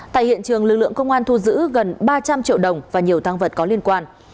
tại hiện trường lực lượng công an thu giữ gần ba trăm linh triệu đồng và nhiều tăng vật có liên quan